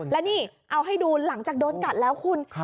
และนี่เอาให้ดูหลังจากโดนกัดแล้วคุณ